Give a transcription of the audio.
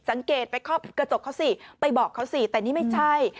สังเกตไปเคาะกระจกเขาสิไปบอกเขาสิแต่นี่ไม่ใช่